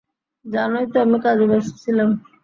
জানোই তো আমি কাজে ব্যস্ত ছিলাম।